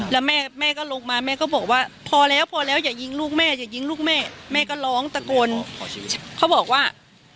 แล้วแม่แม่ก็ลงมาแม่ก็บอกว่าพอแล้วพอแล้วอย่ายิงลูกแม่อย่ายิงลูกแม่แม่ก็ร้องตะโกนเขาบอกว่า